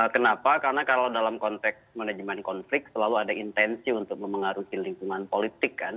kenapa karena kalau dalam konteks manajemen konflik selalu ada intensi untuk memengaruhi lingkungan politik kan